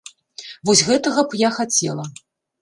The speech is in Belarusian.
Вось гэтага б я хацела.